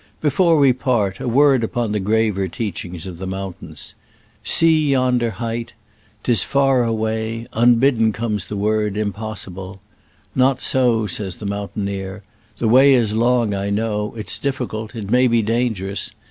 Before we part, a word upon the graver teachings of the moun tains. See yonder height! *Tis far away — unbidden comes the word *' Im possible! "Not so," says the moun taineer. '* The way is long, I know : it's difficult — it may be dangerous.